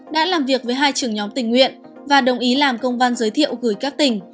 đã làm việc với hai trưởng nhóm tình nguyện và đồng ý làm công văn giới thiệu gửi các tỉnh